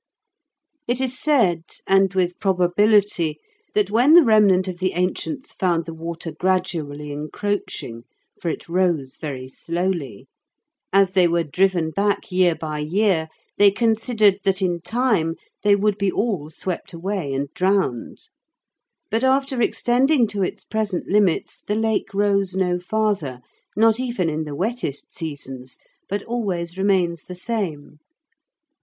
It is said, and with probability, that when the remnant of the ancients found the water gradually encroaching (for it rose very slowly), as they were driven back year by year, they considered that in time they would be all swept away and drowned. But after extending to its present limits the Lake rose no farther, not even in the wettest seasons, but always remains the same.